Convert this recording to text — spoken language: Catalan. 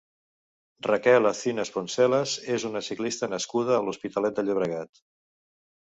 Raquel Acinas Poncelas és una ciclista nascuda a l'Hospitalet de Llobregat.